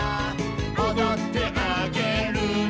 「おどってあげるね」